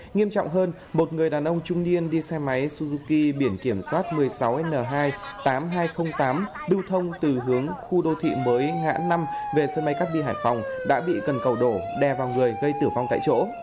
nghiêm trọng hơn một người đàn ông trung niên đi xe máy suki biển kiểm soát một mươi sáu n hai tám nghìn hai trăm linh tám lưu thông từ hướng khu đô thị mới ngã năm về sân bay cát bi hải phòng đã bị cần cầu đổ đè vào người gây tử vong tại chỗ